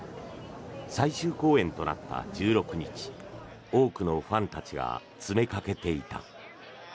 最終公演となった１６日多くのファンたちが詰めかけていた。